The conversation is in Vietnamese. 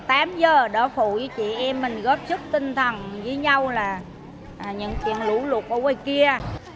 bây giờ đã phụ với chị em mình góp sức tinh thần với nhau là những chuyện lũ lụt ở quay kia